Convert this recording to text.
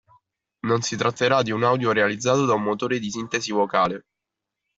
Non si tratterà di un audio realizzato da un motore di sintesi vocale.